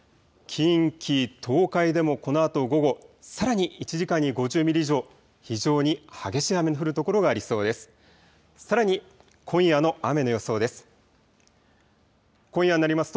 近畿、東海でもこのあと午後さらに１時間に５０ミリ以上、非常に激しい雨の降る所がありそうです。